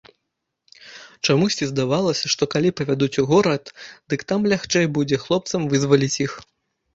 Чамусьці здавалася, што калі павядуць у горад, дык там лягчэй будзе хлопцам вызваліць іх.